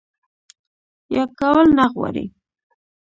يا کول نۀ غواړي